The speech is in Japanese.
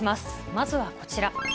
まずはこちら。